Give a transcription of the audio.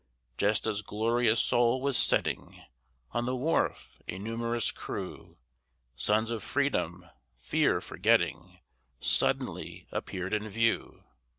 Just as glorious Sol was setting, On the wharf, a numerous crew, Sons of freedom, fear forgetting, Suddenly appeared in view.